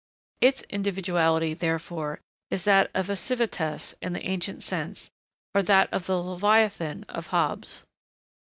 Its individuality, therefore, is that of a 'civitas' in the ancient sense, or that of the Leviathan of Hobbes.